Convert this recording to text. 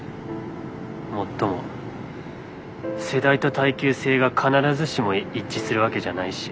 もっとも世代と耐久性が必ずしも一致するわけじゃないし。